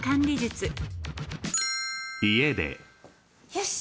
よし！